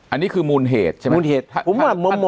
อันนี้คือมูลเหตุใช่ไหม